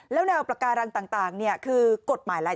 แล้วแนวประการังต่างเนี่ยคือกฎหมายอะไร